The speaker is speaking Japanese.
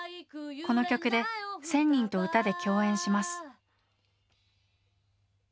この曲で１，０００人と歌で共演します。